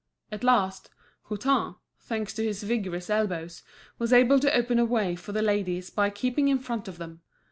At last, Hutin—thanks to his vigorous elbows—was able to open a way for the ladies by keeping in front of them.